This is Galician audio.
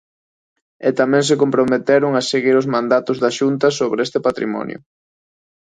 E tamén se comprometeron a seguir os mandatos da Xunta sobre este patrimonio.